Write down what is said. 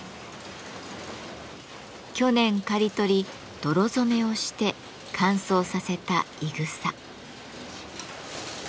去年刈り取り泥染めをして乾燥させたいぐさ。